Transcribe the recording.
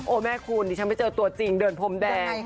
แม่คุณดิฉันไม่เจอตัวจริงเดินพรมแดง